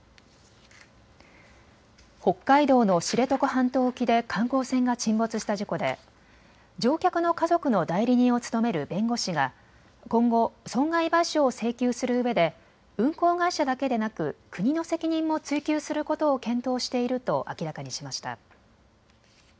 北海道の知床半島沖で観光船が沈没した事故で乗客の家族の代理人を務める弁護士が今後、損害賠償を請求するうえで運航会社だけでなく国の責任も追及することを検討していると明らかにしました。